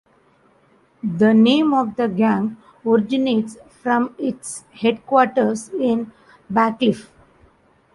The name of the gang originates from its headquarters in Bacliff.